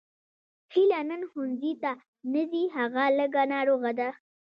هیله نن ښوونځي ته نه ځي هغه لږه ناروغه ده